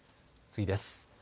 次です。